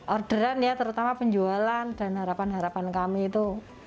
orderan ya terutama penjualan dan harapan harapan kami itu